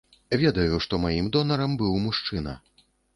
Ведаю, што маім донарам быў мужчына.